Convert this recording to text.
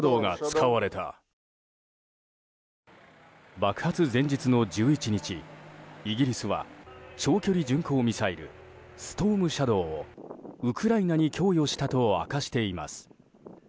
爆発前日の１１日、イギリスは長距離巡航ミサイルストームシャドーをウクライナに供与したと明かしています。